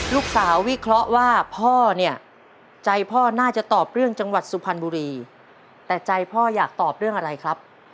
ลูกสาววิเคราะห์ว่าพ่อเนี่ยใจพ่อน่าจะตอบเรื่องจังหวัดสุพรรณบุรีแต่ใจพ่ออยากตอบเรื่องอะไรครับ